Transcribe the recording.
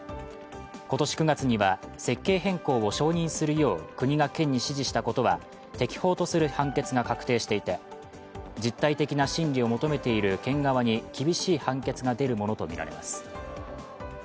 今年９月には設計変更を承認するよう国が県に指示したことは適法とする判決が確定していて実体的な審理を求めている県側に厳しい判決が出るものとみられます。